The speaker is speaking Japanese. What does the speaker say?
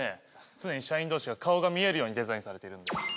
常に社員同士が顔が見えるようにデザインされているんだ